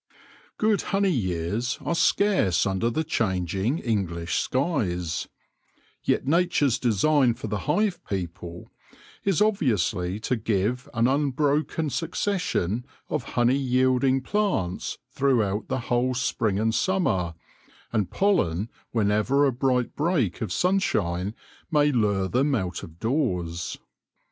Good honey years are scarce under the changing English skies ; yet Nature's design for the hive people is obviously to give an unbroken succession of honey yielding plants throughout the whole spring and summer, and pollen whenever a bright break of sunshine may lure them out of doors.